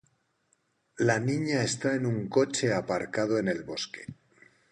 La niña está en un coche aparcado en el bosque.